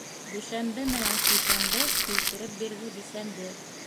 Дүшәмбе менән шишәмбе килтереп бирҙе бисәмде.